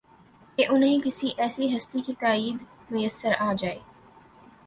کہ انہیں کسی ایسی ہستی کی تائید میسر آ جائے